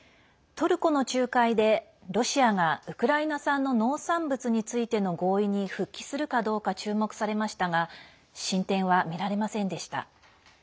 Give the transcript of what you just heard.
トルコの仲介でロシアがウクライナ産の農産物についての合意に復帰するかどうか注目されましたが進展はみられませんでした。